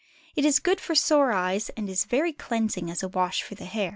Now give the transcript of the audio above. It is good for sore eyes, and is very cleansing as a wash for the hair.